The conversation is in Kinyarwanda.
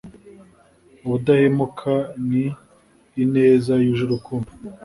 ubudahemuka n ineza yuje urukundo